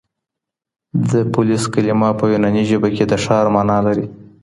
د پولیس کلمه په یوناني ژبه کي د ښار مانا لري.